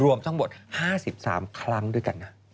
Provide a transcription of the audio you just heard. รวมทั้งหมด๕๓ครั้งด้วยกันนะ